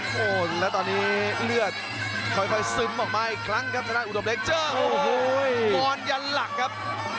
โอ้โหแล้วตอนนี้เลือดค่อยซึมออกมาอีกครั้งครับ